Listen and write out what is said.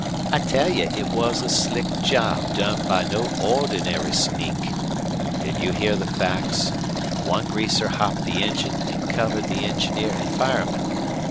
I tell you it was a slick job done by no ordinary sneak. Didn't you hear the facts? One greaser hopped the engine an' covered the engineer an' fireman.